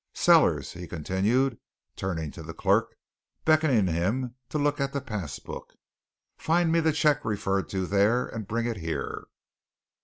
Sellers," he continued, turning to the clerk, and beckoning him to look at the pass book, "find me the cheque referred to there, and bring it here."